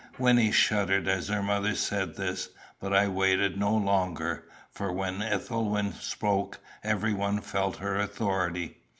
Wynnie shuddered as her mother said this; but I waited no longer, for when Ethelwyn spoke everyone felt her authority.